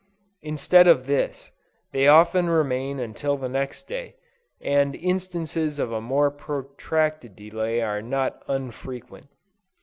Instead of this, they often remain until the next day, and instances of a more protracted delay are not unfrequent.